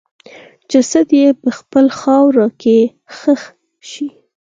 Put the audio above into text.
جسد یې په خپله خاوره کې ښخ شي.